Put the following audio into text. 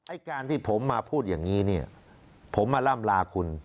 ไอ้การที่ผมมาพูดอย่างนี้เนี่ยผมมาล่ำลาคุณ